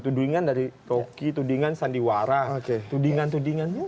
tudingan dari toki tudingan sandiwara tudingan tudingan